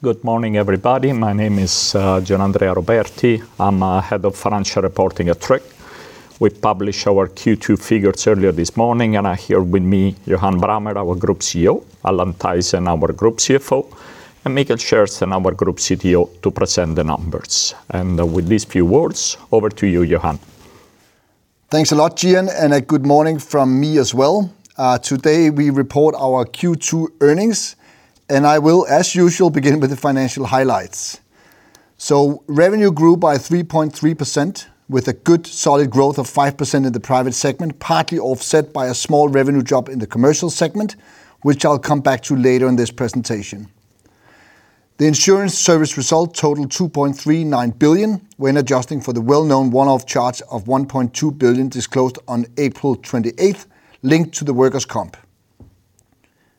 Good morning, everybody. My name is Gianandrea Roberti. I'm Head of Financial Reporting at Tryg. We published our Q2 figures earlier this morning. Here with me, Johan Brammer, our Group Chief Executive Officer, Allan Thaysen, our Group Chief Financial Officer, and Mikael Kärrsten, our Group Chief Technology Officer, to present the numbers. With these few words, over to you, Johan. Thanks a lot, Gian. Good morning from me as well. Today we report our Q2 earnings. I will, as usual, begin with the financial highlights. Revenue grew by 3.3% with a good solid growth of 5% in the private segment, partly offset by a small revenue drop in the commercial segment, which I'll come back to later in this presentation. The insurance service result totaled 2.39 billion when adjusting for the well-known one-off charge of 1.2 billion disclosed on April 28th linked to the workers' comp.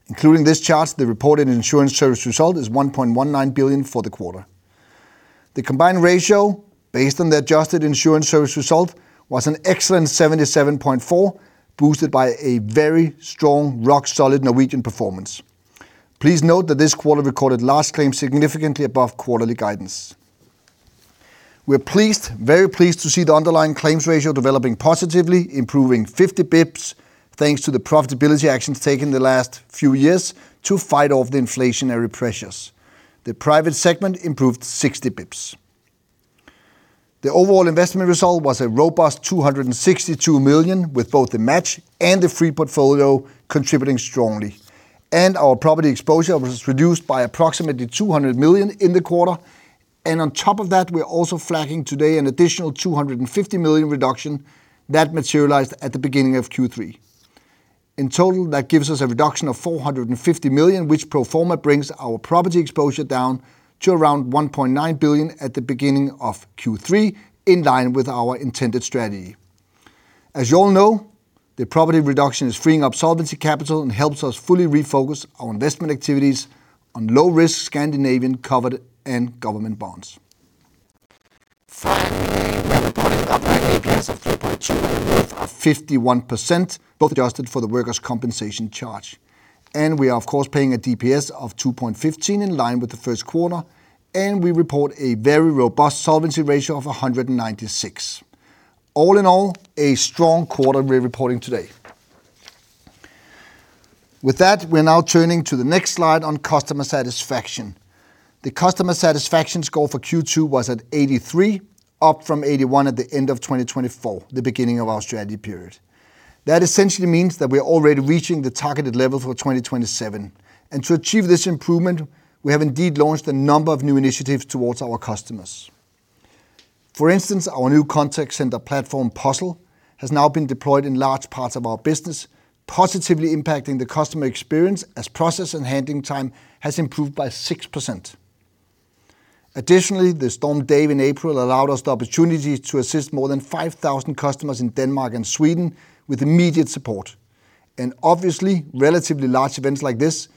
Including this charge, the reported insurance service result is 1.19 billion for the quarter. The combined ratio based on the adjusted insurance service result was an excellent 77.4%, boosted by a very strong, rock-solid Norwegian performance. Please note that this quarter recorded large claims significantly above quarterly guidance. We're very pleased to see the underlying claims ratio developing positively, improving 50 basis points thanks to the profitability actions taken the last few years to fight off the inflationary pressures. The private segment improved 60 basis points. The overall investment result was a robust 262 million, with both the match and the free portfolio contributing strongly. Our property exposure was reduced by approximately 200 million in the quarter. On top of that, we're also flagging today an additional 250 million reduction that materialized at the beginning of Q3. In total, that gives us a reduction of 450 million, which pro forma brings our property exposure down to around 1.9 billion at the beginning of Q3, in line with our intended strategy. As you all know, the property reduction is freeing up solvency capital and helps us fully refocus our investment activities on low-risk Scandinavian covered and government bonds. Finally, we're reporting operating EPS of 3.2 with a 51% both adjusted for the workers' compensation charge. We are of course paying a DPS of 2.15 in line with the first quarter, and we report a very robust solvency ratio of 196%. All in all, a strong quarter we're reporting today. With that, we're now turning to the next slide on customer satisfaction. The customer satisfaction score for Q2 was at 83 up from 81 at the end of 2024, the beginning of our strategy period. That essentially means that we're already reaching the targeted level for 2027. To achieve this improvement, we have indeed launched a number of new initiatives towards our customers. For instance, our new contact center platform, Puzzel, has now been deployed in large parts of our business, positively impacting the customer experience as process and handling time has improved by 6%. Additionally, Storm Dave in April allowed us the opportunity to assist more than 5,000 customers in Denmark and Sweden with immediate support. Obviously, relatively large events like this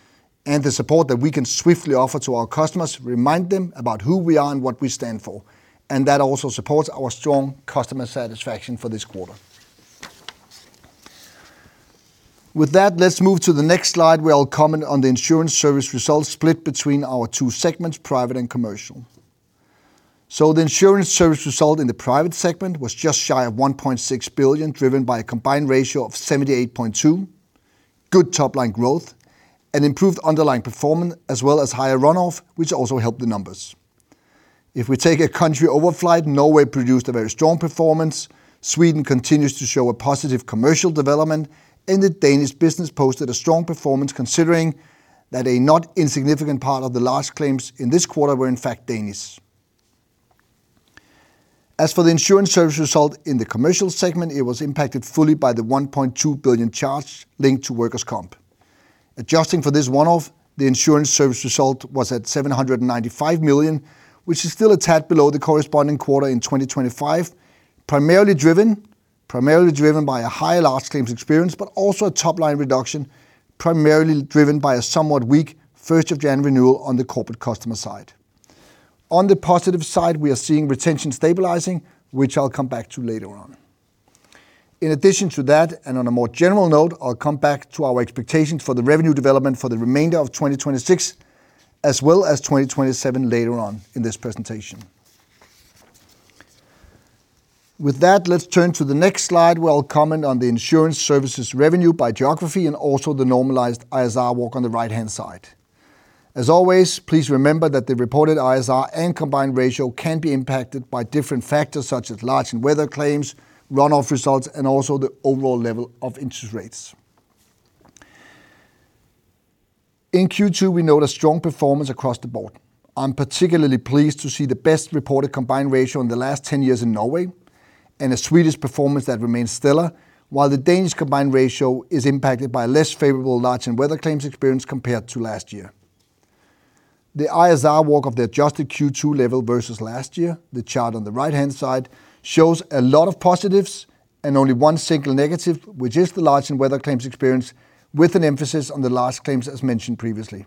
and the support that we can swiftly offer to our customers remind them about who we are and what we stand for, and that also supports our strong customer satisfaction for this quarter. With that, let's move to the next slide where I will comment on the insurance service result split between our two segments, Private and Commercial. The insurance service result in the Private segment was just shy of 1.6 billion, driven by a combined ratio of 78.2%, good top-line growth, and improved underlying performance, as well as higher run-off, which also helped the numbers. If we take a country overflight, Norway produced a very strong performance. Sweden continues to show a positive commercial development, and the Danish business posted a strong performance considering that a not insignificant part of the large claims in this quarter were in fact Danish. The insurance service result in the Commercial segment, it was impacted fully by the 1.2 billion charge linked to workers' comp. Adjusting for this one-off, the insurance service result was at 795 million, which is still a tad below the corresponding quarter in 2025, primarily driven by a higher large claims experience, but also a top-line reduction, primarily driven by a somewhat weak 1st of Jan renewal on the corporate customer side. On the positive side, we are seeing retention stabilizing, which I will come back to later on. In addition to that, on a more general note, I will come back to our expectations for the revenue development for the remainder of 2026 as well as 2027 later on in this presentation. With that, let's turn to the next slide where I will comment on the insurance service revenue by geography and also the normalized ISR walk on the right-hand side. As always, please remember that the reported ISR and combined ratio can be impacted by different factors such as large and weather claims, run-off results, and also the overall level of interest rates. In Q2, we note a strong performance across the board. I am particularly pleased to see the best reported combined ratio in the last 10 years in Norway and a Swedish performance that remains stellar, while the Danish combined ratio is impacted by less favorable large and weather claims experience compared to last year. The ISR walk of the adjusted Q2 level versus last year, the chart on the right-hand side, shows a lot of positives and only one single negative, which is the large and weather claims experience with an emphasis on the large claims as mentioned previously.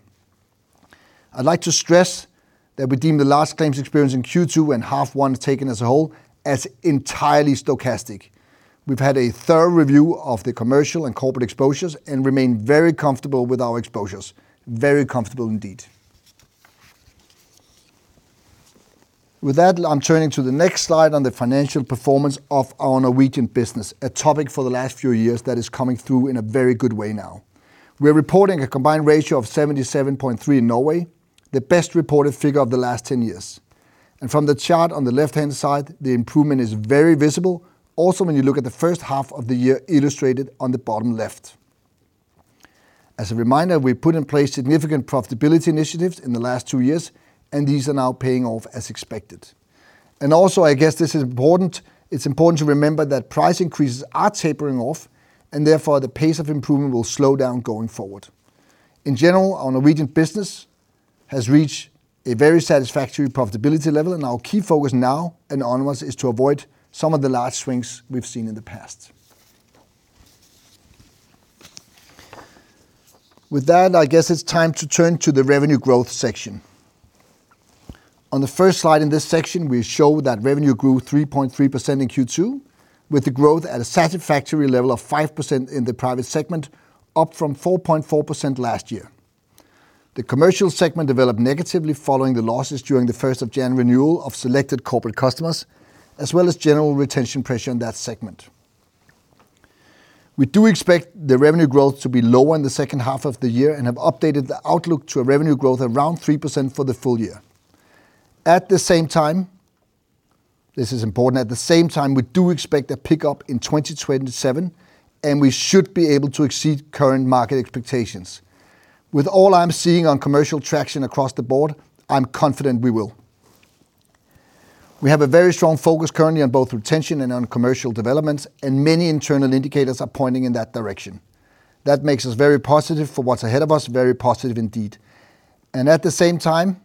I would like to stress that we deem the large claims experience in Q2 and half one taken as a whole as entirely stochastic. We have had a thorough review of the commercial and corporate exposures and remain very comfortable with our exposures. Very comfortable indeed. With that, I am turning to the next slide on the financial performance of our Norwegian business, a topic for the last few years that is coming through in a very good way now. We are reporting a combined ratio of 77.3% in Norway, the best reported figure of the last 10 years. From the chart on the left-hand side, the improvement is very visible, also when you look at the first half of the year illustrated on the bottom left. As a reminder, we put in place significant profitability initiatives in the last two years, and these are now paying off as expected. I guess this is important, it's important to remember that price increases are tapering off, and therefore the pace of improvement will slow down going forward. In general, our Norwegian business has reached a very satisfactory profitability level, and our key focus now and onwards is to avoid some of the large swings we've seen in the past. With that, I guess it's time to turn to the revenue growth section. On the first slide in this section, we show that revenue grew 3.3% in Q2, with the growth at a satisfactory level of 5% in the private segment, up from 4.4% last year. The commercial segment developed negatively following the losses during the 1st of January renewal of selected corporate customers, as well as general retention pressure in that segment. We do expect the revenue growth to be lower in the second half of the year and have updated the outlook to a revenue growth around 3% for the full year. This is important, at the same time, we do expect a pickup in 2027, and we should be able to exceed current market expectations. With all I'm seeing on commercial traction across the board, I'm confident we will. We have a very strong focus currently on both retention and on commercial developments, many internal indicators are pointing in that direction. That makes us very positive for what's ahead of us, very positive indeed. At the same time,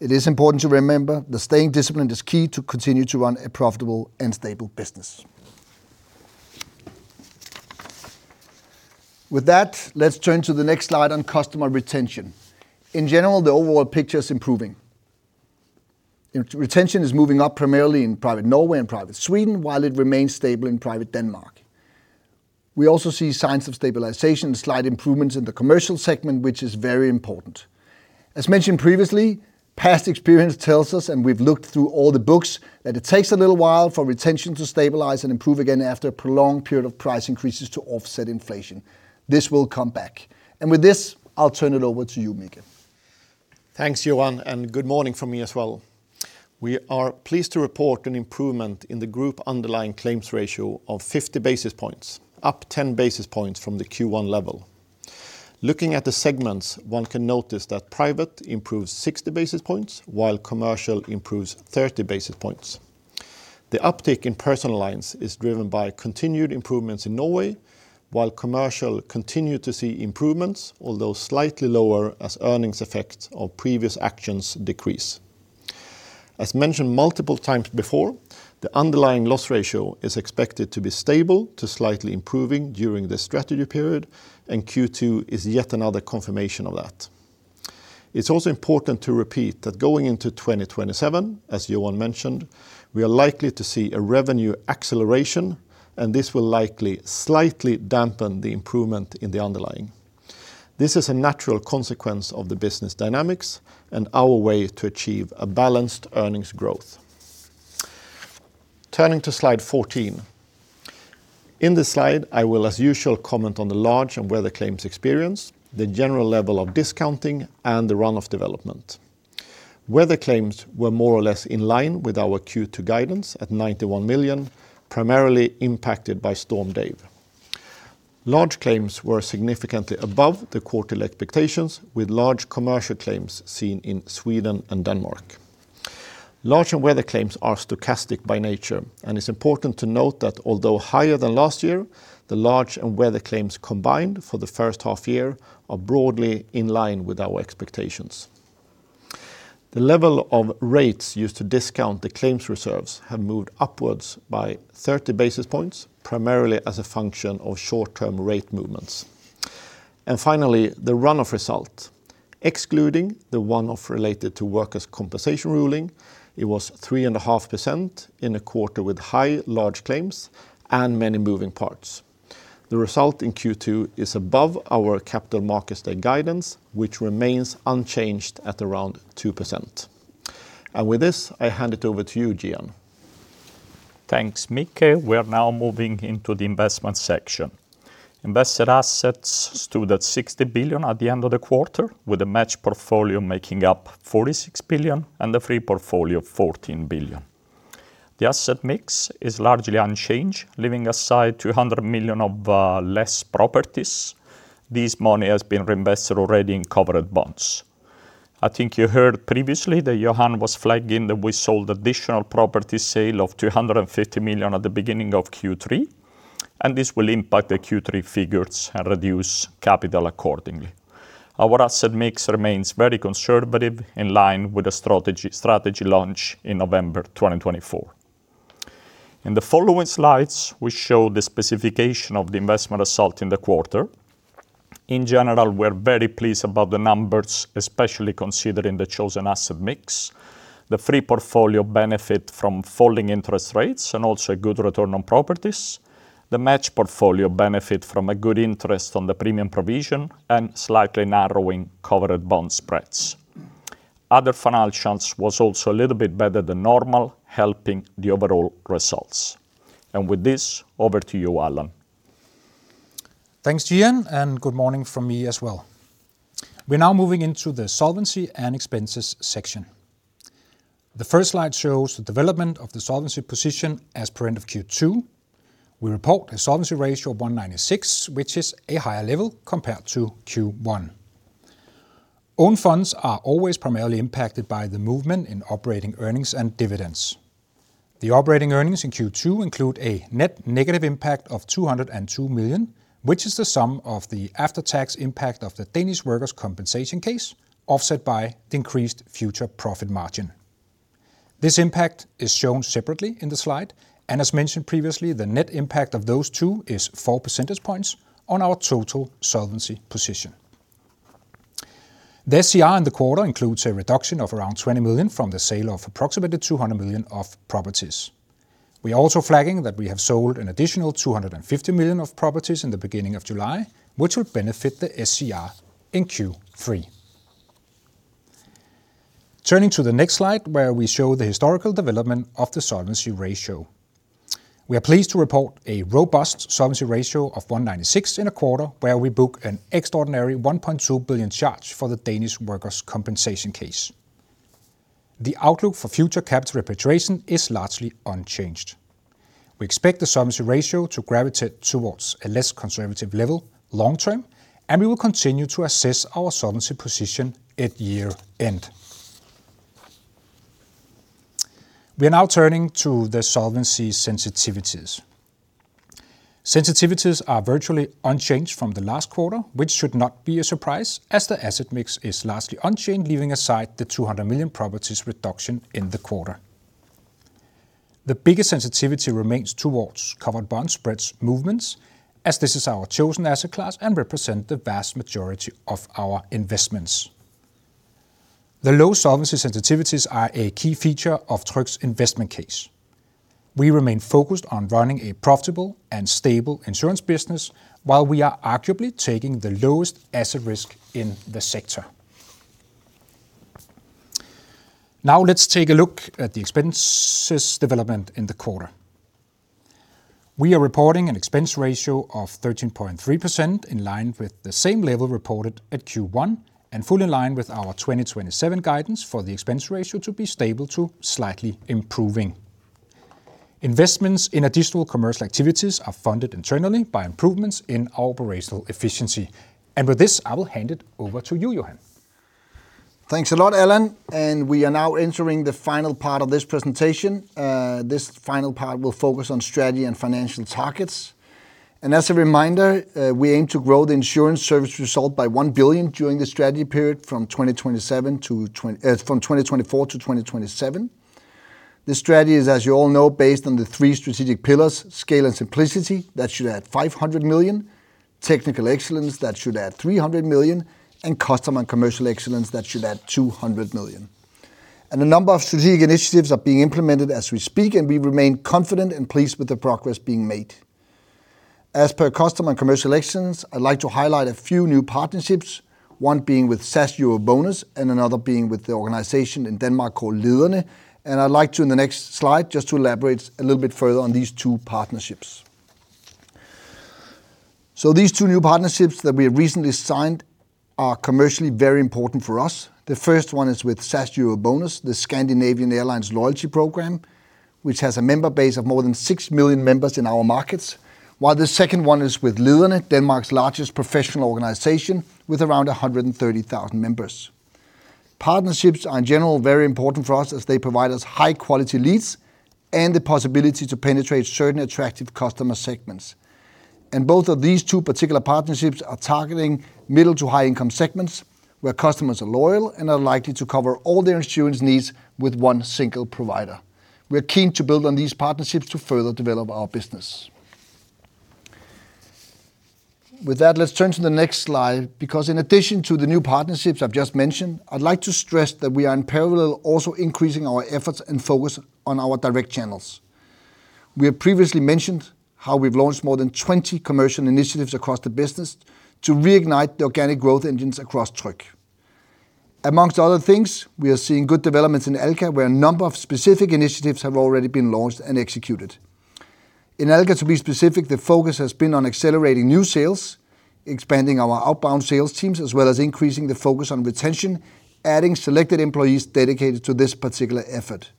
it is important to remember that staying disciplined is key to continue to run a profitable and stable business. With that, let's turn to the next slide on customer retention. In general, the overall picture is improving. Retention is moving up primarily in private Norway and private Sweden, while it remains stable in private Denmark. We also see signs of stabilization and slight improvements in the commercial segment, which is very important. As mentioned previously, past experience tells us, and we've looked through all the books, that it takes a little while for retention to stabilize and improve again after a prolonged period of price increases to offset inflation. This will come back. With this, I'll turn it over to you, Mikael. Thanks, Johan, and good morning from me as well. We are pleased to report an improvement in the group underlying claims ratio of 50 basis points, up 10 basis points from the Q1 level. Looking at the segments, one can notice that private improves 60 basis points, while commercial improves 30 basis points. The uptick in personal lines is driven by continued improvements in Norway, while commercial continued to see improvements, although slightly lower as earnings effect of previous actions decrease. As mentioned multiple times before, the underlying loss ratio is expected to be stable to slightly improving during the strategy period, and Q2 is yet another confirmation of that. It's also important to repeat that going into 2027, as Johan mentioned, we are likely to see a revenue acceleration, and this will likely slightly dampen the improvement in the underlying. This is a natural consequence of the business dynamics and our way to achieve a balanced earnings growth. Turning to slide 14. In this slide, I will as usual, comment on the large and weather claims experience, the general level of discounting, and the run-off development. Weather claims were more or less in line with our Q2 guidance at 91 million, primarily impacted by Storm Dave. Large claims were significantly above the quartile expectations, with large commercial claims seen in Sweden and Denmark. Large and weather claims are stochastic by nature, and it's important to note that although higher than last year, the large and weather claims combined for the first half year are broadly in line with our expectations. The level of rates used to discount the claims reserves have moved upwards by 30 basis points, primarily as a function of short-term rate movements. Finally, the run-off result. Excluding the one-off related to workers' compensation ruling, it was 3.5% in a quarter with high large claims and many moving parts. The result in Q2 is above our capital markets day guidance, which remains unchanged at around 2%. With this, I hand it over to you, Gian. Thanks, Mikael. We are now moving into the investment section. Invested assets stood at 60 billion at the end of the quarter, with a matched portfolio making up 46 billion and the free portfolio of 14 billion. The asset mix is largely unchanged, leaving aside 200 million of less properties. This money has been reinvested already in covered bonds. I think you heard previously that Johan was flagging that we sold additional property sale of 250 million at the beginning of Q3, and this will impact the Q3 figures and reduce capital accordingly. Our asset mix remains very conservative, in line with the strategy launch in November 2024. In the following slides, we show the specification of the investment result in the quarter. In general, we are very pleased about the numbers, especially considering the chosen asset mix. The free portfolio benefit from falling interest rates and also good return on properties. The match portfolio benefit from a good interest on the premium provision and slightly narrowing covered bond spreads. Other financial chance was also a little bit better than normal, helping the overall results. With this, over to you, Allan. Thanks, Gian, good morning from me as well. We are now moving into the solvency and expenses section. The first slide shows the development of the solvency position as per end of Q2. We report a solvency ratio of 196, which is a higher level compared to Q1. Own funds are always primarily impacted by the movement in operating earnings and dividends. The operating earnings in Q2 include a net negative impact of 202 million, which is the sum of the after-tax impact of the Danish workers' compensation case, offset by the increased future profit margin. This impact is shown separately in the slide, as mentioned previously, the net impact of those two is four percentage points on our total solvency position. The SCR in the quarter includes a reduction of around 20 million from the sale of approximately 200 million of properties. We are also flagging that we have sold an additional 250 million of properties in the beginning of July, which will benefit the SCR in Q3. Turning to the next slide, where we show the historical development of the solvency ratio. We are pleased to report a robust solvency ratio of 196 in a quarter where we book an extraordinary 1.2 billion charge for the Danish workers' compensation case. The outlook for future capital repatriation is largely unchanged. We expect the solvency ratio to gravitate towards a less conservative level long term. We will continue to assess our solvency position at year-end. We are now turning to the solvency sensitivities. Sensitivities are virtually unchanged from the last quarter, which should not be a surprise as the asset mix is largely unchanged, leaving aside the 200 million properties reduction in the quarter. The biggest sensitivity remains towards covered bond spreads movements, as this is our chosen asset class and represent the vast majority of our investments. The low solvency sensitivities are a key feature of Tryg's investment case. We remain focused on running a profitable and stable insurance business while we are arguably taking the lowest asset risk in the sector. Now, let's take a look at the expenses development in the quarter. We are reporting an expense ratio of 13.3% in line with the same level reported at Q1 and fully in line with our 2027 guidance for the expense ratio to be stable to slightly improving. Investments in additional commercial activities are funded internally by improvements in operational efficiency. With this, I will hand it over to you, Johan. Thanks a lot, Allan. We are now entering the final part of this presentation. This final part will focus on strategy and financial targets. As a reminder, we aim to grow the insurance service result by 1 billion during the strategy period from 2024 to 2027. The strategy is, as you all know, based on the three strategic pillars: Scale and Simplicity, that should add 500 million; Technical Excellence, that should add 300 million; and Customer and Commercial Excellence, that should add 200 million. A number of strategic initiatives are being implemented as we speak, and we remain confident and pleased with the progress being made. As per Customer and Commercial Excellence, I'd like to highlight a few new partnerships, one being with SAS EuroBonus and another being with the organization in Denmark called Lederne. I'd like to, in the next slide, just to elaborate a little bit further on these two partnerships. These two new partnerships that we have recently signed are commercially very important for us. The first one is with SAS EuroBonus, the Scandinavian Airlines loyalty program, which has a member base of more than 6 million members in our markets, while the second one is with Lederne, Denmark's largest professional organization with around 130,000 members. Partnerships are in general very important for us as they provide us high-quality leads and the possibility to penetrate certain attractive customer segments. Both of these two particular partnerships are targeting middle to high-income segments where customers are loyal and are likely to cover all their insurance needs with one single provider. We are keen to build on these partnerships to further develop our business. With that, let's turn to the next slide. In addition to the new partnerships I've just mentioned, I'd like to stress that we are in parallel also increasing our efforts and focus on our direct channels. We have previously mentioned how we've launched more than 20 commercial initiatives across the business to reignite the organic growth engines across Tryg. Amongst other things, we are seeing good developments in Alka, where a number of specific initiatives have already been launched and executed. In Alka, to be specific, the focus has been on accelerating new sales, expanding our outbound sales teams, as well as increasing the focus on retention, adding selected employees dedicated to this particular effort.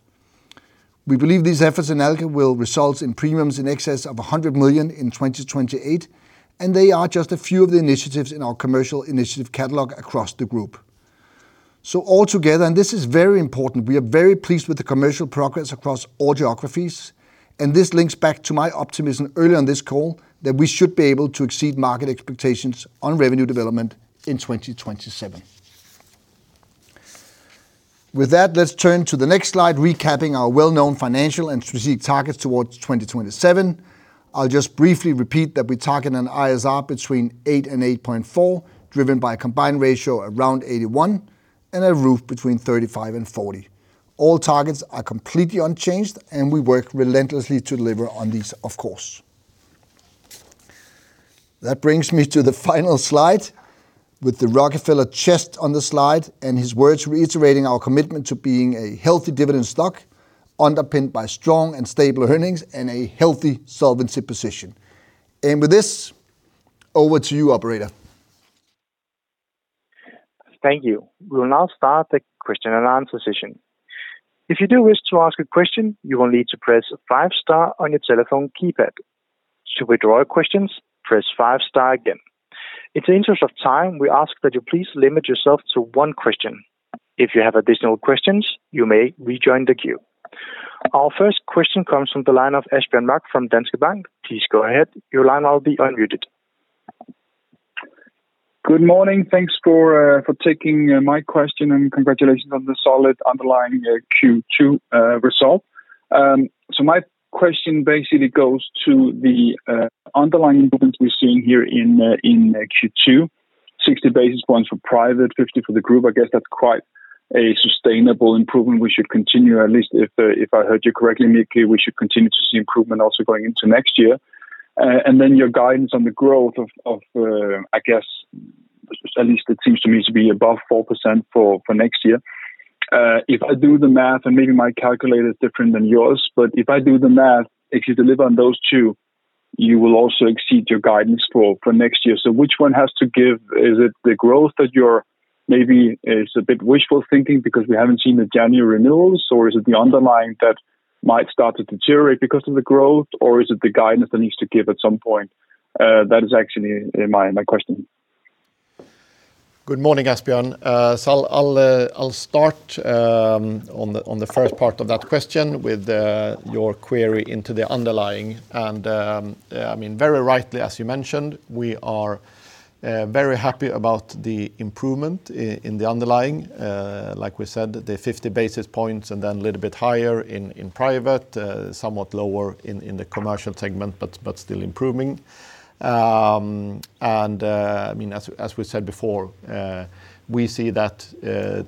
We believe these efforts in Alka will result in premiums in excess of 100 million in 2028, and they are just a few of the initiatives in our commercial initiative catalog across the group. Altogether, and this is very important, we are very pleased with the commercial progress across all geographies, and this links back to my optimism earlier on this call that we should be able to exceed market expectations on revenue development in 2027. With that, let's turn to the next slide, recapping our well-known financial and strategic targets towards 2027. I'll just briefly repeat that we target an ISR between 8% and 8.4%, driven by a combined ratio around 81% and a ROOF between 35% and 40%. All targets are completely unchanged. We work relentlessly to deliver on these, of course. That brings me to the final slide with the Rockefeller chest on the slide and his words reiterating our commitment to being a healthy dividend stock underpinned by strong and stable earnings and a healthy solvency position. With this, over to you, operator. Thank you. We will now start the question and answer session. If you do wish to ask a question, you will need to press five star on your telephone keypad. To withdraw your questions, press five star again. In the interest of time, we ask that you please limit yourself to one question. If you have additional questions, you may rejoin the queue. Our first question comes from the line of Asbjørn Mørk from Danske Bank. Please go ahead. Your line will now be unmuted. Good morning. Thanks for taking my question and congratulations on the solid underlying Q2 result. My question basically goes to the underlying improvements we're seeing here in Q2, 60 basis points for Private, 50 basis point for the group. I guess that's quite a sustainable improvement. We should continue, at least if I heard you correctly, Mikael, we should continue to see improvement also going into next year. Your guidance on the growth of, I guess at least it seems to me to be above 4% for next year. If I do the math, and maybe my calculator is different than yours, but if I do the math, if you deliver on those two, you will also exceed your guidance for next year. Which one has to give? Is it the growth that you're maybe is a bit wishful thinking because we haven't seen the January renewals? Is it the underlying that might start to deteriorate because of the growth? Is it the guidance that needs to give at some point? That is actually my question. Good morning, Asbjørn. I'll start on the first part of that question with your query into the underlying and, very rightly, as you mentioned, we are very happy about the improvement in the underlying. Like we said, the 50 basis points and then a little bit higher in Private, somewhat lower in the commercial segment, but still improving. As we said before, we see that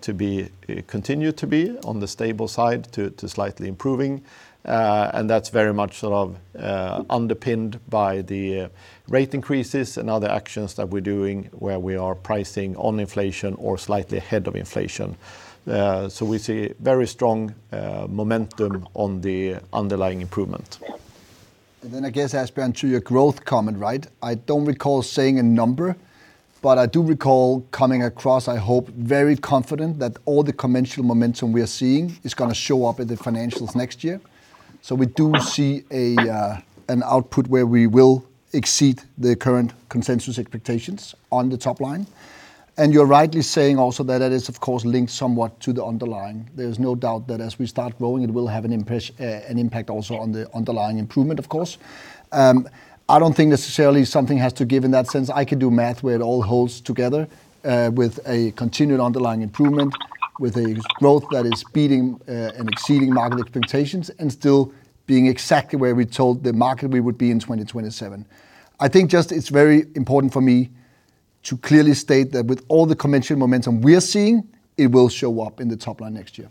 to continue to be on the stable side to slightly improving. That's very much underpinned by the rate increases and other actions that we're doing where we are pricing on inflation or slightly ahead of inflation. We see very strong momentum on the underlying improvement. I guess, Asbjørn, to your growth comment, right? I don't recall saying a number, but I do recall coming across, I hope, very confident that all the conventional momentum we are seeing is going to show up in the financials next year. We do see an output where we will exceed the current consensus expectations on the top line. You're rightly saying also that it is of course, linked somewhat to the underlying. There's no doubt that as we start growing, it will have an impact also on the underlying improvement, of course. I don't think necessarily something has to give in that sense. I can do math where it all holds together with a continued underlying improvement, with a growth that is beating and exceeding market expectations and still being exactly where we told the market we would be in 2027. I think just it's very important for me to clearly state that with all the conventional momentum we're seeing, it will show up in the top line next year.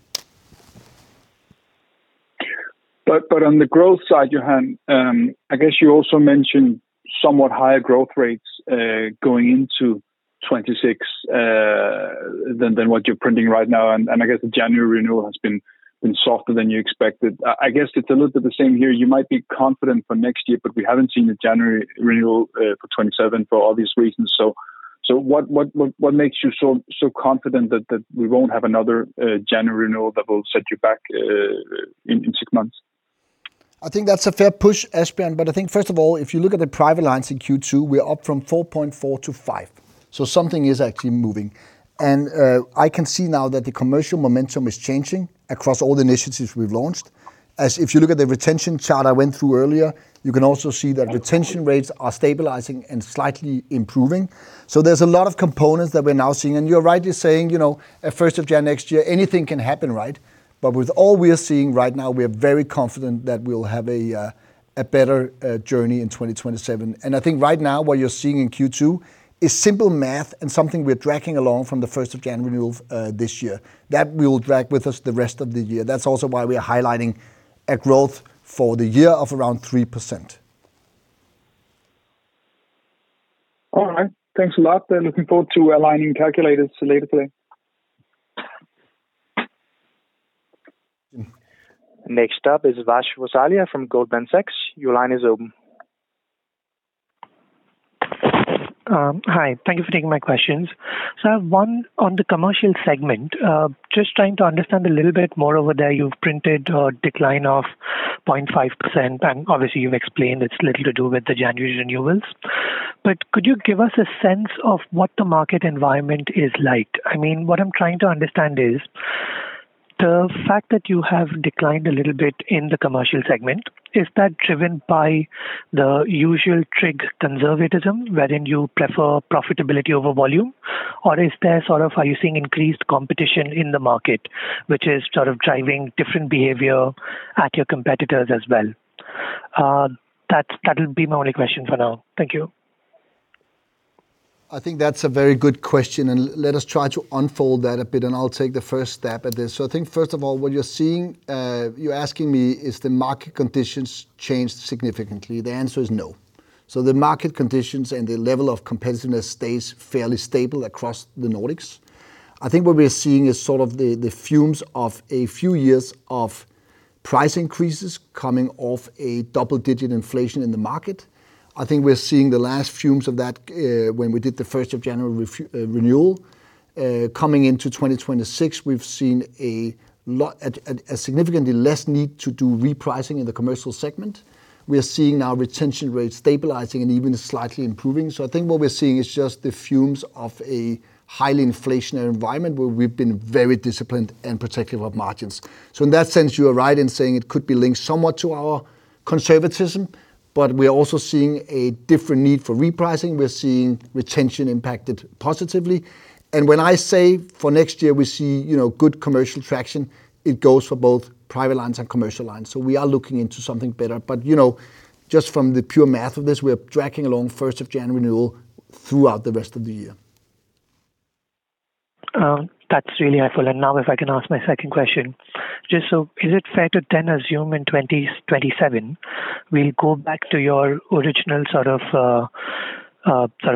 On the growth side, Johan, I guess you also mentioned somewhat higher growth rates going into 2026 than what you're printing right now, and I guess the January renewal has been softer than you expected. I guess it's a little bit the same here. You might be confident for next year, but we haven't seen the January renewal for 2027 for obvious reasons. What makes you so confident that we won't have another January renewal that will set you back in six months? I think that's a fair push, Asbjørn. I think first of all, if you look at the private lines in Q2, we are up from 4.4 to 5, so something is actually moving. I can see now that the commercial momentum is changing across all the initiatives we've launched. If you look at the retention chart I went through earlier, you can also see that retention rates are stabilizing and slightly improving. There's a lot of components that we're now seeing. You're rightly saying, at first of January next year, anything can happen, right? With all we are seeing right now, we are very confident that we'll have a better journey in 2027. I think right now what you're seeing in Q2 is simple math and something we're dragging along from the 1st of January of this year. That we will drag with us the rest of the year. That's also why we are highlighting a growth for the year of around 3%. All right. Thanks a lot. Looking forward to aligning calculators later today. Next up is Vash Gosalia from Goldman Sachs. Your line is open. Hi. Thank you for taking my questions. I have one on the commercial segment. Just trying to understand a little bit more over there. You've printed a decline of 0.5%, obviously, you've explained it's little to do with the January renewals. Could you give us a sense of what the market environment is like? What I'm trying to understand is the fact that you have declined a little bit in the commercial segment. Is that driven by the usual Tryg conservatism wherein you prefer profitability over volume? Are you seeing increased competition in the market, which is sort of driving different behavior at your competitors as well? That will be my only question for now. Thank you. I think that's a very good question, and let us try to unfold that a bit, and I'll take the first stab at this. I think, first of all, what you're asking me, is the market conditions changed significantly? The answer is no. The market conditions and the level of competitiveness stays fairly stable across the Nordics. I think what we're seeing is sort of the fumes of a few years of price increases coming off a double-digit inflation in the market. I think we're seeing the last fumes of that when we did the 1st of January renewal. Coming into 2026, we've seen a significantly less need to do repricing in the commercial segment. We are seeing now retention rates stabilizing and even slightly improving. I think what we're seeing is just the fumes of a highly inflationary environment where we've been very disciplined and protective of margins. In that sense, you are right in saying it could be linked somewhat to our conservatism, but we are also seeing a different need for repricing. We're seeing retention impacted positively. When I say for next year we see good commercial traction, it goes for both private lines and commercial lines. We are looking into something better. Just from the pure math of this, we're tracking along 1st of January renewal throughout the rest of the year. That's really helpful. Now if I can ask my second question. Is it fair to then assume in 2027 we'll go back to your original sort of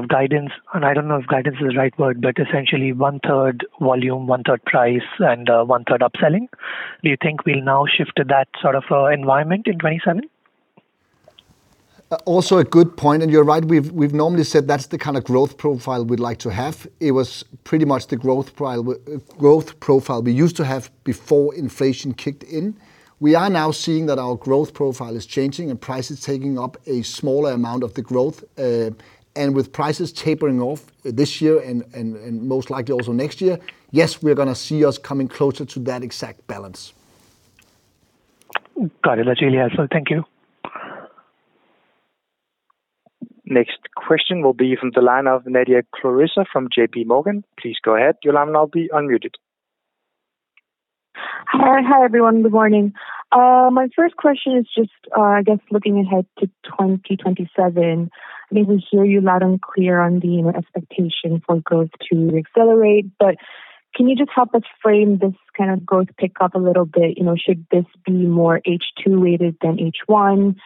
guidance, and I don't know if guidance is the right word, but essentially 1/3 volume, 1/3 price, and 1/3 upselling. Do you think we'll now shift to that sort of environment in 2027? Also a good point, and you're right. We've normally said that's the kind of growth profile we'd like to have. It was pretty much the growth profile we used to have before inflation kicked in. We are now seeing that our growth profile is changing and price is taking up a smaller amount of the growth. With prices tapering off this year and most likely also next year, yes, we're going to see us coming closer to that exact balance. Got it. That's really helpful. Thank you. Next question will be from the line of Nadia Claressa from JPMorgan. Please go ahead. Your line will now be unmuted. Hi, everyone. Good morning. My first question is just, I guess looking ahead to 2027, I mean, we hear you loud and clear on the expectation for growth to accelerate, but can you just help us frame this kind of growth pick up a little bit? Should this be more H2 weighted than H1?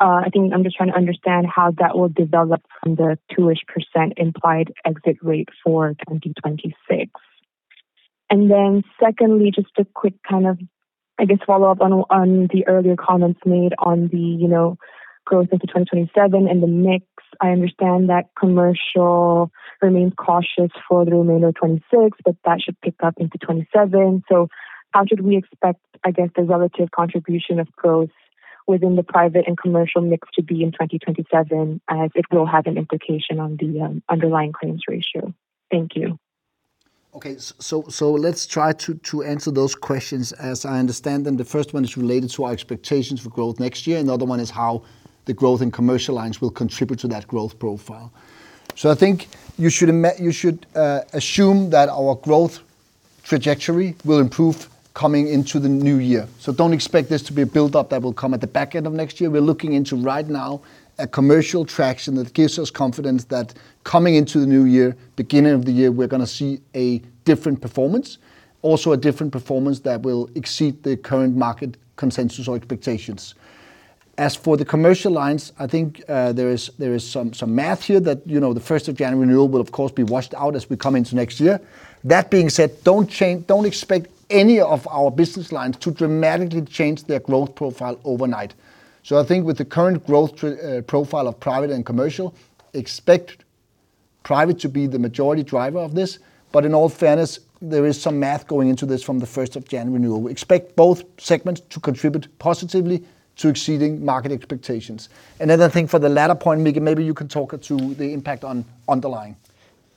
I think I'm just trying to understand how that will develop from the 2-ish% implied exit rate for 2026. Secondly, just a quick kind of, I guess, follow-up on the earlier comments made on the growth into 2027 and the mix. I understand that commercial remains cautious for the remainder of 2026, but that should pick up into 2027. How should we expect, I guess, the relative contribution of growth within the private and commercial mix to be in 2027, as it will have an implication on the underlying claims ratio? Thank you. Okay. Let's try to answer those questions as I understand them. The first one is related to our expectations for growth next year, and the other one is how the growth in commercial lines will contribute to that growth profile. I think you should assume that our growth trajectory will improve coming into the new year. Don't expect this to be a build-up that will come at the back end of next year. We're looking into right now a commercial traction that gives us confidence that coming into the new year, beginning of the year, we're going to see a different performance. Also, a different performance that will exceed the current market consensus or expectations. As for the commercial lines, I think there is some math here that the 1st of January renewal will of course be washed out as we come into next year. That being said, don't expect any of our business lines to dramatically change their growth profile overnight. I think with the current growth profile of private and commercial, expect private to be the majority driver of this. In all fairness, there is some math going into this from the 1st of January renewal. We expect both segments to contribute positively to exceeding market expectations. I think for the latter point, Mikael, maybe you could talk to the impact on underlying.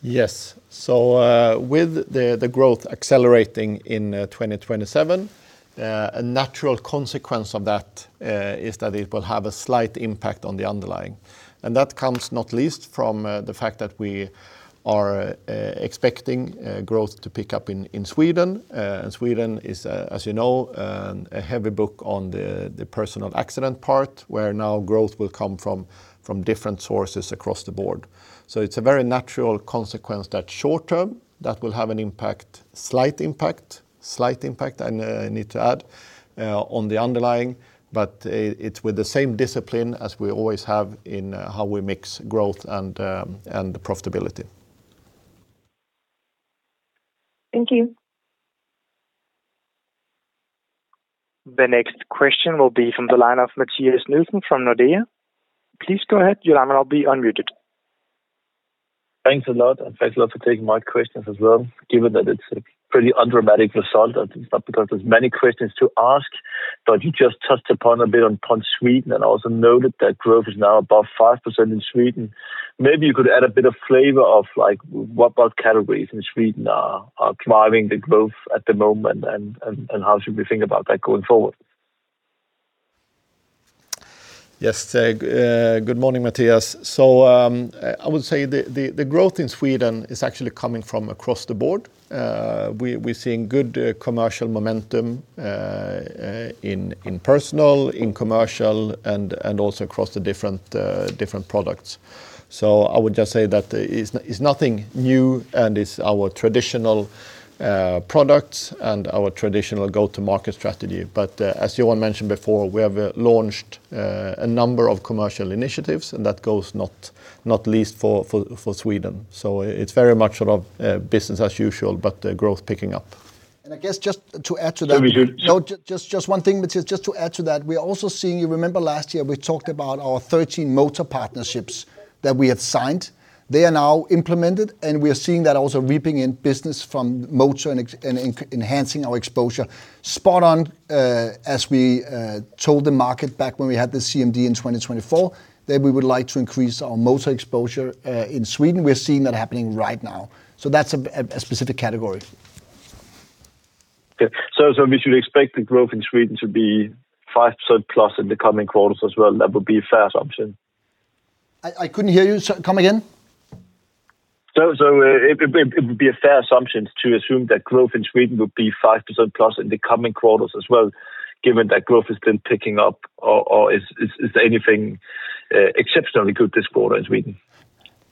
Yes. With the growth accelerating in 2027, a natural consequence of that is that it will have a slight impact on the underlying. That comes not least from the fact that we are expecting growth to pick up in Sweden. Sweden is, as you know, a heavy book on the personal accident part, where now growth will come from different sources across the board. It's a very natural consequence that short term, that will have an impact, slight impact, I need to add, on the underlying. It's with the same discipline as we always have in how we mix growth and profitability. Thank you. The next question will be from the line of Mathias Nielsen from Nordea. Please go ahead. Your line will now be unmuted. Thanks a lot. Thanks a lot for taking my questions as well, given that it's a pretty undramatic result and it's not because there's many questions to ask. You just touched upon a bit upon Sweden and also noted that growth is now above 5% in Sweden. Maybe you could add a bit of flavor of like what about categories in Sweden are driving the growth at the moment, how should we think about that going forward? Yes. Good morning, Mathias. I would say the growth in Sweden is actually coming from across the board. We're seeing good commercial momentum in personal, in commercial, and also across the different products. I would just say that it's nothing new. It's our traditional products and our traditional go-to-market strategy. As Johan mentioned before, we have launched a number of commercial initiatives, that goes not least for Sweden. It's very much business as usual, but growth picking up. I guess just to add to that. Sorry, Johan No, just one thing, Mathias. Just to add to that, we are also seeing, you remember last year we talked about our 13 motor partnerships that we had signed. They are now implemented, and we are seeing that also reaping in business from motor and enhancing our exposure. Spot on, as we told the market back when we had the CMD in 2024, that we would like to increase our motor exposure in Sweden. That's a specific category. Okay. We should expect the growth in Sweden to be 5%+ in the coming quarters as well? That would be a fair assumption. I couldn't hear you. Come again. It would be a fair assumption to assume that growth in Sweden would be 5%+ in the coming quarters as well, given that growth has been picking up, or is there anything exceptionally good this quarter in Sweden?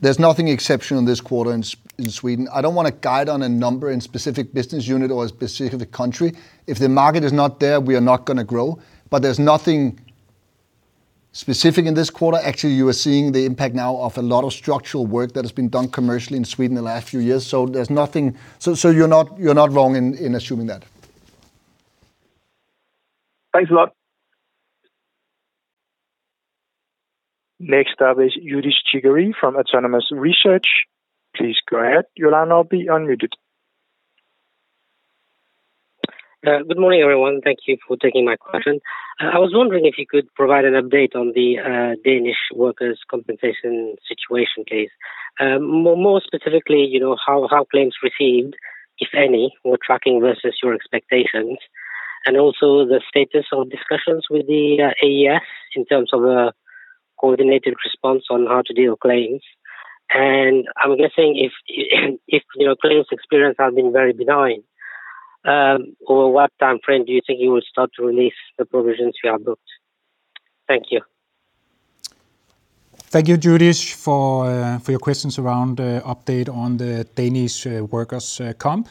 There's nothing exceptional this quarter in Sweden. I don't want to guide on a number in specific business unit or a specific country. If the market is not there, we are not going to grow, but there's nothing specific in this quarter. Actually, you are seeing the impact now of a lot of structural work that has been done commercially in Sweden in the last few years. You're not wrong in assuming that. Thanks a lot. Next up is Youdish Chicooree from Autonomous Research. Please go ahead. Your line now be unmuted. Good morning, everyone. Thank you for taking my question. I was wondering if you could provide an update on the Danish workers' compensation situation case. More specifically, how claims received, if any, were tracking versus your expectations, and also the status of discussions with the AES in terms of a coordinated response on how to deal with claims. If your claims experience has been very benign, over what time frame do you think you will start to release the provisions you have booked? Thank you. Thank you, Youdish, for your questions around update on the Danish workers' comp.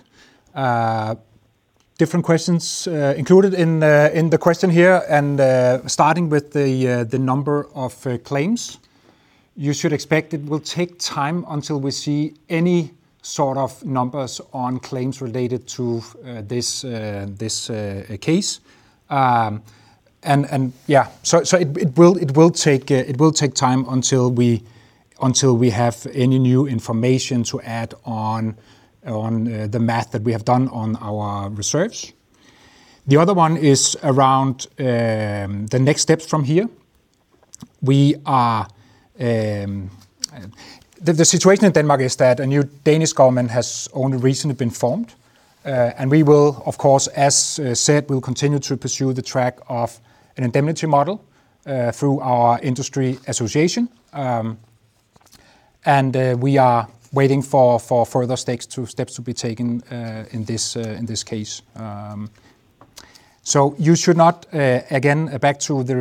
Different questions included in the question here, starting with the number of claims. You should expect it will take time until we see any sort of numbers on claims related to this case. It will take time until we have any new information to add on the math that we have done on our research. The other one is around the next steps from here. The situation in Denmark is that a new Danish government has only recently been formed. We will, of course, as said, continue to pursue the track of an indemnity model through our industry association. We are waiting for further steps to be taken in this case. You should not, again, back to the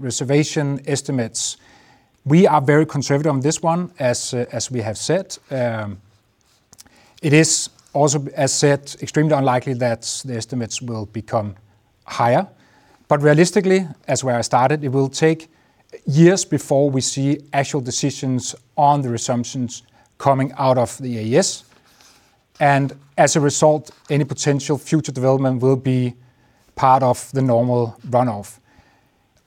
reservation estimates. We are very conservative on this one, as we have said. It is also, as said, extremely unlikely that the estimates will become higher. Realistically, as where I started, it will take years before we see actual decisions on the resolutions coming out of the AES. As a result, any potential future development will be part of the normal run-off.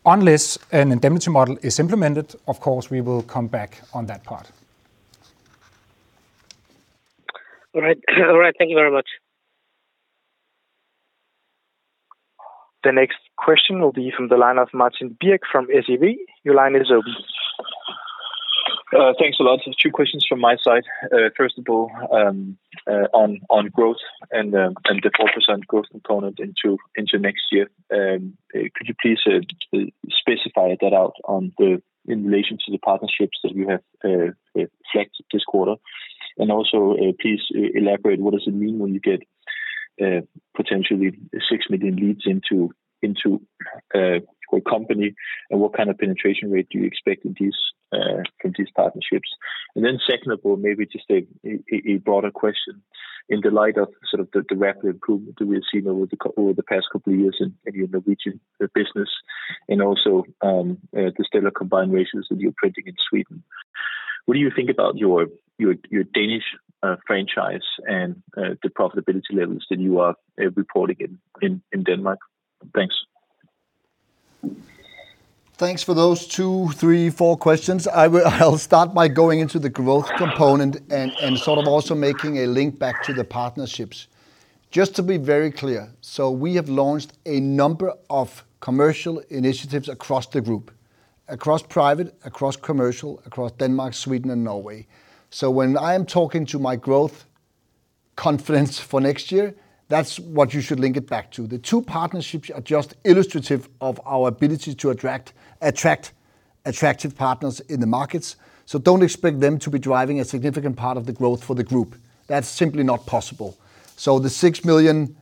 Unless an indemnity model is implemented, of course, we will come back on that part. All right. Thank you very much. The next question will be from the line of Martin Birk from SEB. Your line is open. Thanks a lot. Two questions from my side. First of all, on growth and the 4% growth component into next year. Could you please specify that out in relation to the partnerships that you have flagged this quarter? Also, please elaborate, what does it mean when you get potentially 6 million leads into a company, and what kind of penetration rate do you expect in these partnerships? Then second of all, maybe just a broader question. In the light of sort of the rapid improvement that we've seen over the past couple years in the region business and also the stellar combined ratios that you're printing in Sweden, what do you think about your Danish franchise and the profitability levels that you are reporting in Denmark? Thanks. Thanks for those two, three, four questions. I'll start by going into the growth component and sort of also making a link back to the partnerships. We have launched a number of commercial initiatives across the group, across private, across commercial, across Denmark, Sweden, and Norway. When I am talking to my growth Confidence for next year, that's what you should link it back to. The two partnerships are just illustrative of our ability to attract attractive partners in the markets, don't expect them to be driving a significant part of the growth for the group. That's simply not possible. The 6 million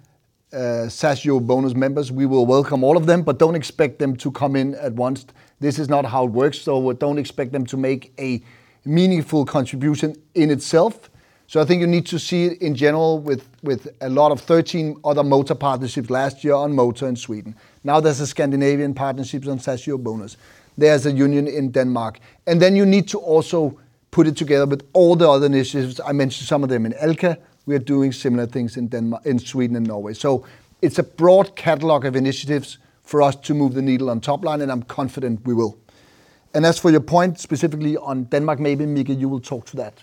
SAS EuroBonus members, we will welcome all of them, but don't expect them to come in at once. This is not how it works, don't expect them to make a meaningful contribution in itself. I think you need to see in general with a lot of 13 other motor partnerships last year on motor in Sweden. Now there's a Scandinavian partnerships on SAS EuroBonus. There's a union in Denmark. Then you need to also put it together with all the other initiatives. I mentioned some of them. In Alka, we are doing similar things in Sweden and Norway. It's a broad catalog of initiatives for us to move the needle on top line, and I'm confident we will. As for your point, specifically on Denmark, maybe, Mikael, you will talk to that.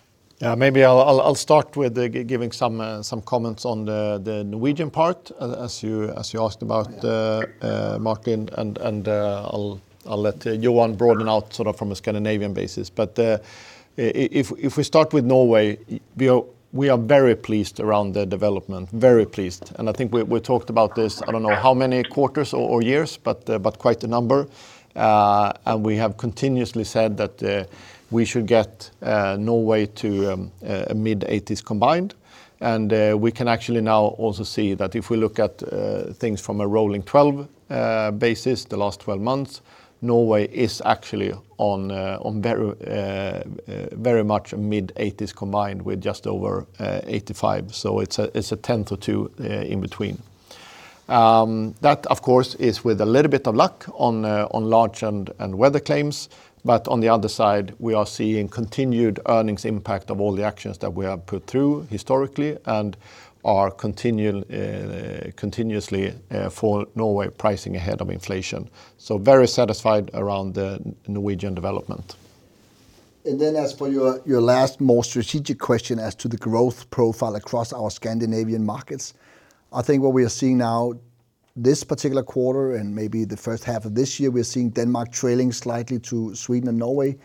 Maybe I'll start with giving some comments on the Norwegian part as you asked about, Martin, and I'll let Johan broaden out sort of from a Scandinavian basis. If we start with Norway, we are very pleased around the development. Very pleased. I think we talked about this, I don't know how many quarters or years, but quite a number. We have continuously said that we should get Norway to mid-80s combined. We can actually now also see that if we look at things from a rolling 12 basis, the last 12 months, Norway is actually on very much mid-80s combined with just over 85. So it's a 10th or two in between. That, of course, is with a little bit of luck on large and weather claims. On the other side, we are seeing continued earnings impact of all the actions that we have put through historically and are continuously for Norway pricing ahead of inflation. Very satisfied around the Norwegian development. As for your last, more strategic question as to the growth profile across our Scandinavian markets, I think what we are seeing now this particular quarter and maybe the first half of this year, we're seeing Denmark trailing slightly to Sweden and Norway.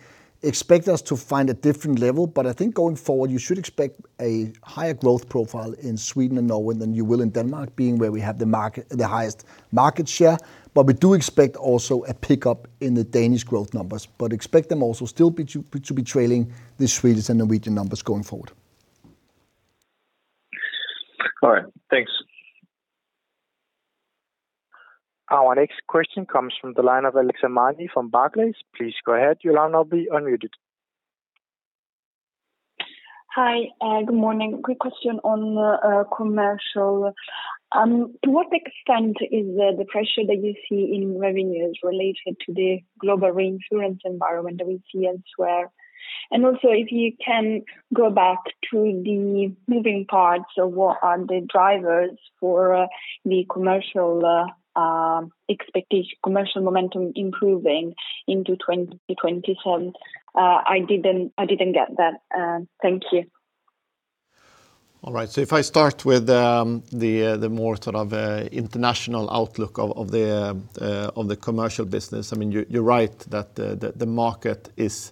Expect us to find a different level, I think going forward, you should expect a higher growth profile in Sweden and Norway than you will in Denmark, being where we have the highest market share. We do expect also a pickup in the Danish growth numbers, expect them also still to be trailing the Swedish and Norwegian numbers going forward. All right. Thanks. Our next question comes from the line of Alessia Magni from Barclays. Please go ahead. Your line will be unmuted. Hi. Good morning. Quick question on commercial. To what extent is the pressure that you see in revenues related to the global reinsurance environment that we see elsewhere? Also, if you can go back to the moving parts of what are the drivers for the commercial momentum improving into 2027? I didn't get that. Thank you. All right. If I start with the more sort of international outlook of the commercial business, you're right that the market is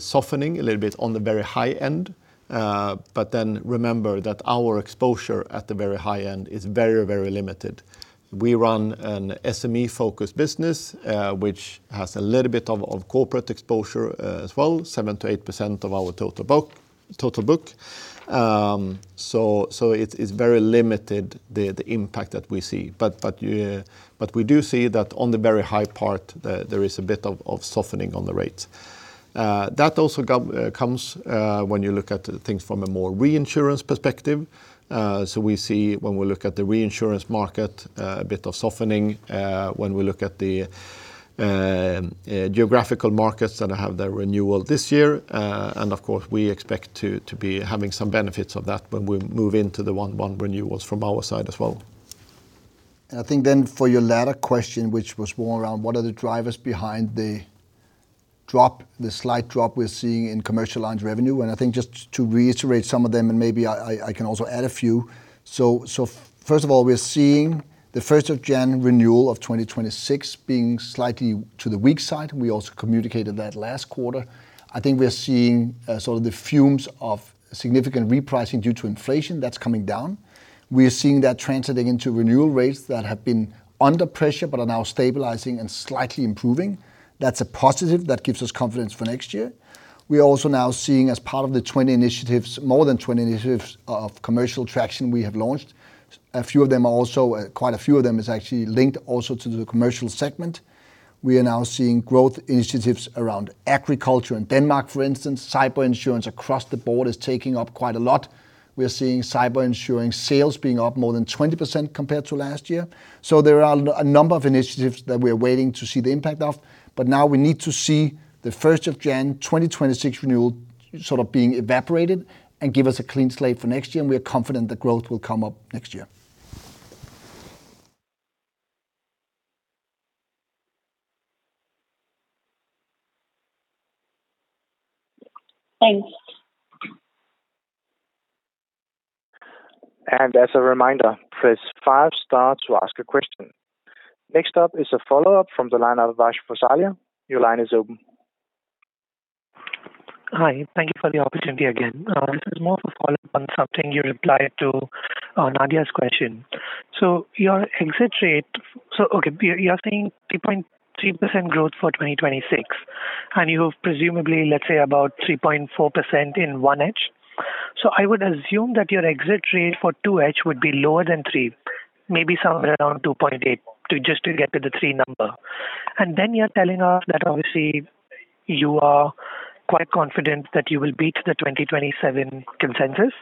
softening a little bit on the very high end. Remember that our exposure at the very high end is very limited. We run an SME-focused business, which has a little bit of corporate exposure as well, 7%-8% of our total book. It's very limited, the impact that we see. We do see that on the very high part, there is a bit of softening on the rates. That also comes when you look at things from a more reinsurance perspective. We see when we look at the reinsurance market, a bit of softening, when we look at the geographical markets that have their renewal this year. Of course, we expect to be having some benefits of that when we move into the one renewables from our side as well. I think for your latter question, which was more around what are the drivers behind the slight drop we're seeing in commercial lines revenue. I think just to reiterate some of them, and maybe I can also add a few. First of all, we're seeing the first of January renewal of 2026 being slightly to the weak side. We also communicated that last quarter. I think we're seeing sort of the fumes of significant repricing due to inflation that's coming down. We are seeing that translating into renewal rates that have been under pressure but are now stabilizing and slightly improving. That's a positive. That gives us confidence for next year. We are also now seeing as part of the more than 20 initiatives of commercial traction we have launched. Quite a few of them is actually linked also to the commercial segment. We are now seeing growth initiatives around agriculture in Denmark, for instance. Cyber insurance across the board is taking up quite a lot. We are seeing cyber insurance sales being up more than 20% compared to last year. There are a number of initiatives that we are waiting to see the impact of. Now we need to see the first of January 2026 renewal sort of being evaporated and give us a clean slate for next year. We are confident the growth will come up next year. Thanks. As a reminder, press five star to ask a question. Next up is a follow-up from the line of Vash Gosalia. Your line is open Hi. Thank you for the opportunity again. This is more of a follow-up on something you replied to Nadia's question. You are seeing 3.3% growth for 2026, and you have presumably, let's say, about 3.4% in 1H. I would assume that your exit rate for 2H would be lower than three, maybe somewhere around 2.8, just to get to the three number. You're telling us that obviously you are quite confident that you will beat the 2027 consensus,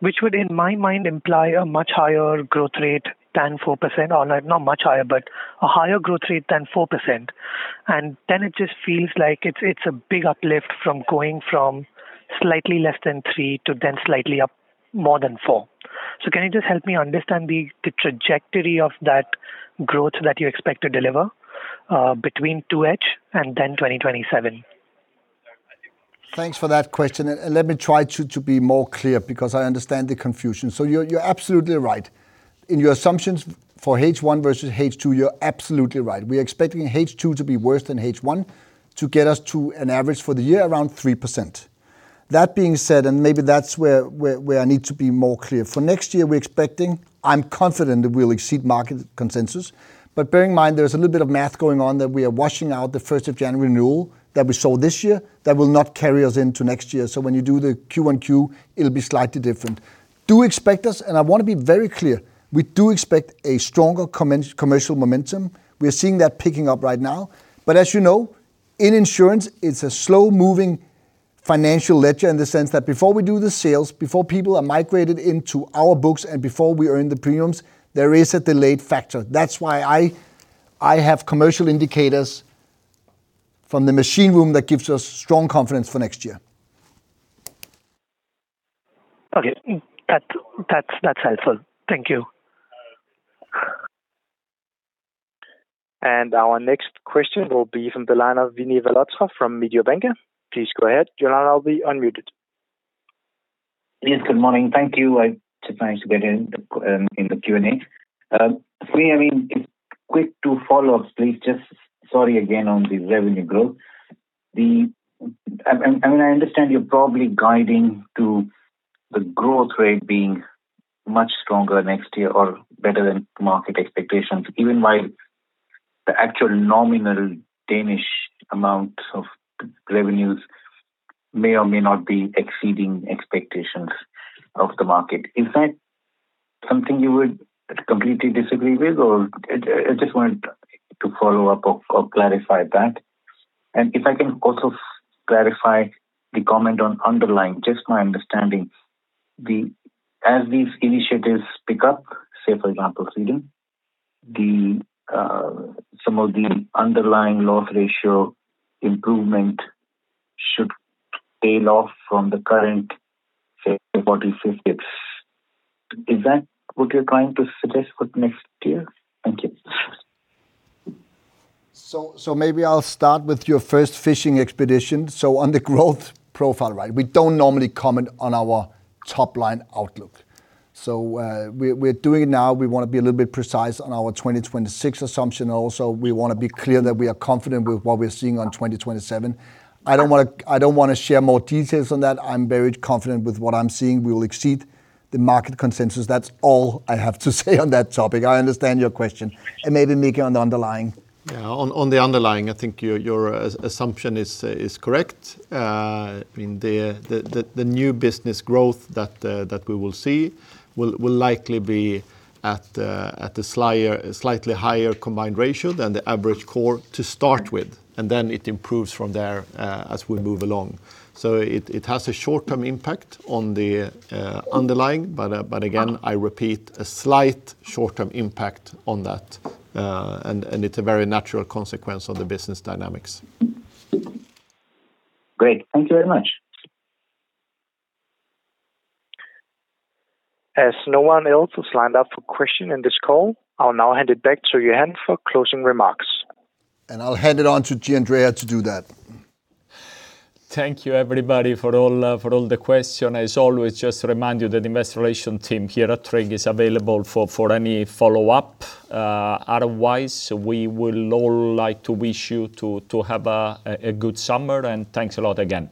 which would, in my mind, imply a much higher growth rate than 4%. All right, not much higher, but a higher growth rate than 4%. It just feels like it's a big uplift from going from slightly less than three to then slightly up more than four. Can you just help me understand the trajectory of that growth that you expect to deliver between 2H and then 2027? Thanks for that question. Let me try to be more clear because I understand the confusion. You're absolutely right. In your assumptions for H1 versus H2, you're absolutely right. We are expecting H2 to be worse than H1 to get us to an average for the year around 3%. That being said, maybe that's where I need to be more clear. For next year, we're expecting, I'm confident that we'll exceed market consensus. Bear in mind there's a little bit of math going on that we are washing out the 1st of January renewal that we saw this year that will not carry us into next year. When you do the Q and Q, it'll be slightly different. Do expect us, and I want to be very clear, we do expect a stronger commercial momentum. We are seeing that picking up right now. As you know, in insurance, it's a slow-moving financial ledger in the sense that before we do the sales, before people are migrated into our books, and before we earn the premiums, there is a delayed factor. That's why I have commercial indicators from the machine room that gives us strong confidence for next year. Okay. That's helpful. Thank you. Our next question will be from the line of Vinit Malhotra from Mediobanca. Please go ahead. Your line will be unmuted. Yes. Good morning. Thank you. I took time to get in the Q&A. For me, I mean, quick two follow-ups, please. Just sorry again on the revenue growth. I mean, I understand you're probably guiding to the growth rate being much stronger next year or better than market expectations, even while the actual nominal Danish amounts of revenues may or may not be exceeding expectations of the market. Is that something you would completely disagree with? I just wanted to follow up or clarify that. If I can also clarify the comment on underlying, just my understanding. As these initiatives pick up, say, for example, Freedom, some of the underlying loss ratio improvement should tail off from the current 40, 50x. Is that what you're trying to suggest for next year? Thank you. Maybe I'll start with your first fishing expedition. On the growth profile, right? We don't normally comment on our top-line outlook. We're doing it now. We want to be a little bit precise on our 2026 assumption also. We want to be clear that we are confident with what we're seeing on 2027. I don't want to share more details on that. I'm very confident with what I'm seeing. We will exceed the market consensus. That's all I have to say on that topic. I understand your question. Maybe Mikael on the underlying. Yeah. On the underlying, I think your assumption is correct. I mean, the new business growth that we will see will likely be at a slightly higher combined ratio than the average core to start with, and then it improves from there as we move along. It has a short-term impact on the underlying, but again, I repeat, a slight short-term impact on that. It's a very natural consequence of the business dynamics. Great. Thank you very much. As no one else has signed up for questions in this call, I'll now hand it back to Johan for closing remarks. I'll hand it on to Gianandrea to do that. Thank you everybody for all the questions. As always, just remind you that investor relation team here at Tryg is available for any follow-up. Otherwise, we would all like to wish you to have a good summer, and thanks a lot again.